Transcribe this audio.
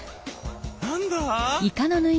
何だ？